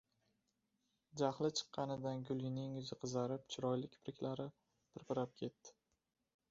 — Jahli chiqqanidan Gulining yuzi qizarib, chiroyli kipriklari pirpirab ketdi.